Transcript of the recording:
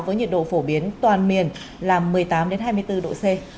với nhiệt độ phổ biến toàn miền là một mươi tám hai mươi bốn độ c